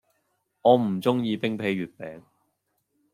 我唔鍾意冰皮月餅